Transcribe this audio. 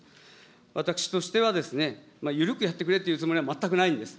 私としては、ゆるくやってくれというつもりは全くないんです。